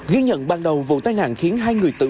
ghi nhận ban đầu vụ tai nạn khiến hai người tự